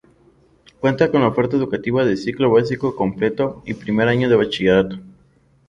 Cuenta con la oferta educativa de ciclo básico completo y primer año de bachillerato.